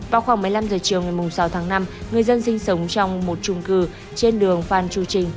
vào khoảng một mươi năm h chiều ngày sáu tháng năm người dân sinh sống trong một trung cư trên đường phan chu trinh